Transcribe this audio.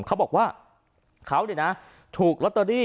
เขาบอกว่าเขาเนี่ยนะถูกลอตเตอรี่